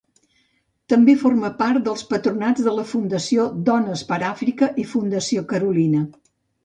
També forma part dels patronats de la Fundació Dones per Àfrica i Fundació Carolina.